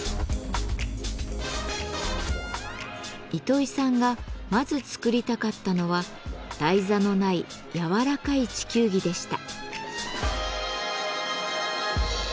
糸井さんがまず作りたかったのは台座のないやわらかい地球儀でした。